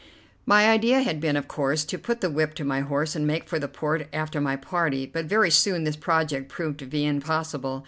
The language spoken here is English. My idea had been, of course, to put the whip to my horse and make for the port after my party, but very soon this project proved to be impossible.